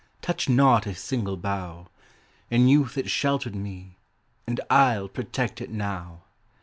Touch not a single bough! In youth it sheltered me, And I'll protect it now.